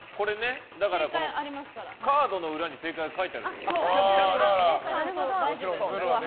カードの裏に正解が書いてあるから。